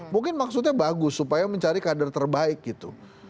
mungkin maksudnya bagus supaya mencari kader terbaik gitu